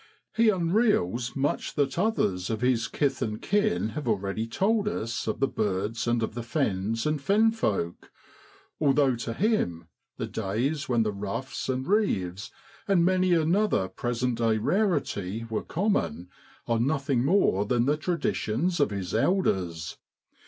He unreels much that others of his kith and kin have already told us of the birds and of the fens and fenfolk, although to him the days when the ruffs and reeves, and many another present day rarity, were common, are nothing more than the traditions of his elders.